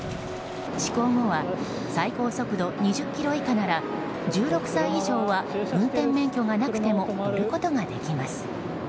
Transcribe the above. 施行後は最高速度２０キロ以下なら１６歳以上は運転免許がなくても乗ることができます。